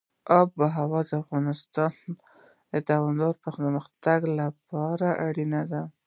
آب وهوا د افغانستان د دوامداره پرمختګ لپاره اړین دي.